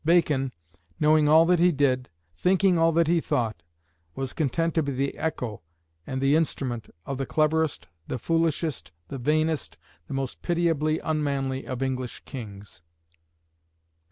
Bacon, knowing all that he did, thinking all that he thought, was content to be the echo and the instrument of the cleverest, the foolishest, the vainest, the most pitiably unmanly of English kings.